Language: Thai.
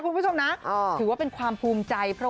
คุณผู้ชมนะถือว่าเป็นความภูมิใจเพราะ